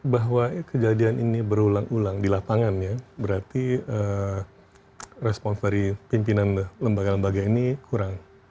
bahwa kejadian ini berulang ulang di lapangan ya berarti respons dari pimpinan lembaga lembaga ini kurang